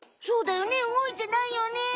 そうだよね動いてないよね。